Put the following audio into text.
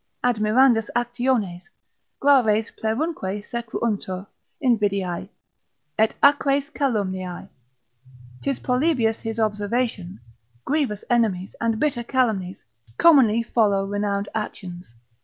Admirandas actiones; graves plerunque sequuntur invidiae, et acres calumniae: 'tis Polybius his observation, grievous enmities, and bitter calumnies, commonly follow renowned actions.